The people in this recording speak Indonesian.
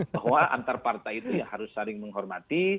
bahwa antar partai itu ya harus saling menghormati